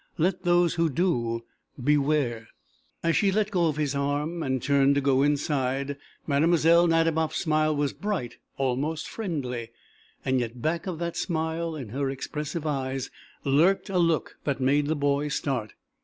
Let those who do beware!" As she let go of his arm and turned to go inside, Mlle. Nadiboff's smile was bright, almost friendly. Yet back of that smile, in her expressive eyes, lurked a look that made the boy start.